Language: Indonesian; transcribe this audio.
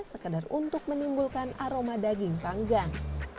sekedar untuk menimbulkan aroma daging panggang